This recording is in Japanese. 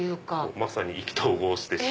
まさに意気投合してしまって。